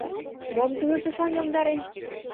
Мом тудо тышан йомдарен?